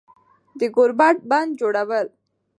د گوربت بندجوړول